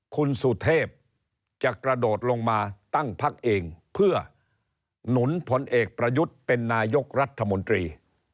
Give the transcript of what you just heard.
คุณสุเทพจะกระโดดลงมาตั้งพักเองเพื่อหนุนพลเอกประยุทธ์เป็นนายกรัฐมนตรี